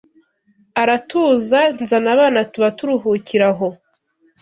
aratuza nzana abana tuba turuhukira aho!